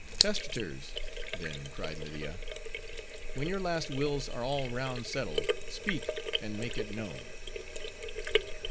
"Testators!" then cried Media, when your last wills are all round settled, speak, and make it known!"